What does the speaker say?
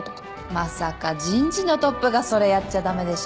まさか人事のトップがそれやっちゃ駄目でしょ。